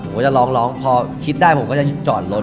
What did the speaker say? ผมก็จะร้องพอคิดได้ผมก็จะจอดรถ